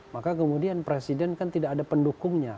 maka kemudian presiden kan tidak ada pendukungnya